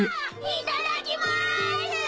いただきます！